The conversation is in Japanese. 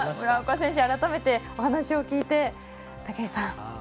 村岡選手、改めてお話を聞いて武井さん。